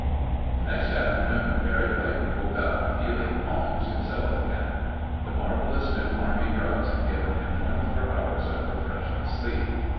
The next afternoon, Barry Blake woke up, feeling almost himself again. The marvelous new Army drugs had given him twenty four hours of refreshing sleep.